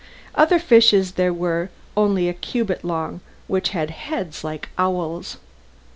Other fishes there were only a cubit long which had heads like owls.